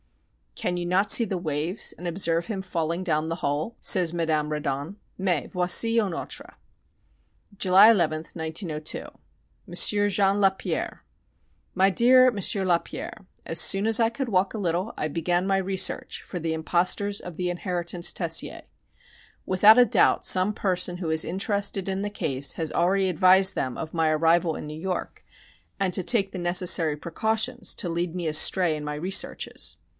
"Can you not see the waves, and observe him falling down the hole?" asks Madame Reddon, "Mais, voici une autre." July 11, 1902. M. Jean Lapierre. My dear M. Lapierre: As soon as I could walk a little I began my research for the impostors of the inheritance Tessier. Without a doubt some person who is interested in the case has already advised them of my arrival in New York, and to take the necessary precautions to lead me astray in my researches.